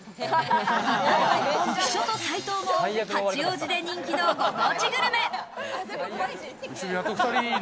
浮所と斉藤も八王子で人気のご当地グルメ。